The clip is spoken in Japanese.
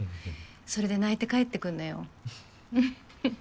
それで泣いて帰ってくんのよフフ。